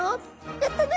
やったね。